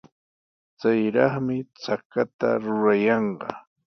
Chayraqmi chakata rurayanqa.